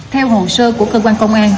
theo hồ sơ của cơ quan công an